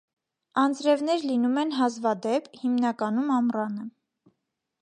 Անձրևներ լինում են հազվադեպ՝ հիմնականում ամռանը։